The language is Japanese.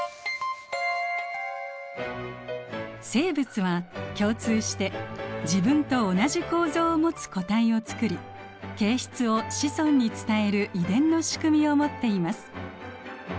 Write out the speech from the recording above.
生物は共通して自分と同じ構造を持つ個体をつくり形質を子孫に伝える遺伝の仕組みを持っています。